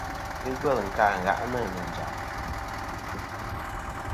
Ghɨ ngvêl nkâʼ ngàʼnɨ̀ nɨ̀ njàm.